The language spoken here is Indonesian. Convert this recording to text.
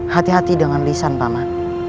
hati hati dengan lisan paman